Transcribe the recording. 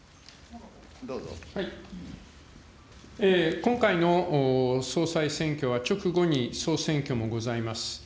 今回の総裁選挙は、直後に総選挙もございます。